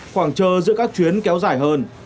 khoảng trơ giữa các chuyến kéo dài hơn